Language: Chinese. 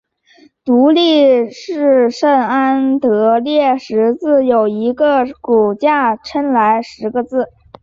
独立式圣安得烈十字有一个骨架来支撑整个十字。